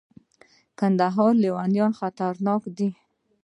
د کندهار لیوان خطرناک دي